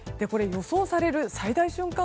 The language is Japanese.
予想される最大瞬間